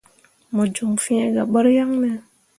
Mo joŋ fĩĩ gah ɓur yaŋne ?